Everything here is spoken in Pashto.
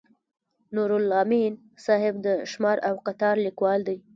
نورالامین صاحب د شمار او قطار لیکوال دی.